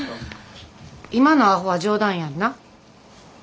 今のアホは冗談やんな？